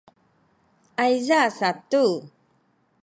ayza satu